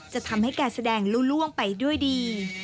จะทำให้การแสดงล่วงไปด้วยดี